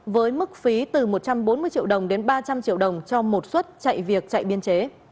với mức phí từ một trăm bốn mươi triệu đồng đến ba trăm linh triệu đồng cho một xuất chạy việc chạy biên chế